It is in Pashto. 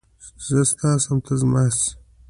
چې زه ستا شم ته زما شې